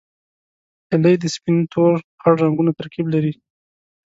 هیلۍ د سپین، تور، خړ رنګونو ترکیب لري